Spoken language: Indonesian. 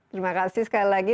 terima kasih sekali lagi